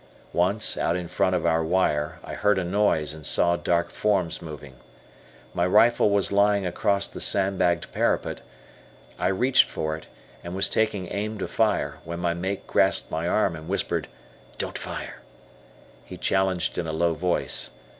Once, out in front of our wire, I heard a noise and saw dark forms moving. My rifle was lying across the sandbagged parapet. I reached for it, and was taking aim to fire, when my mate grasped my arm, and whispered, "Don't fire." He challenged in a low voice.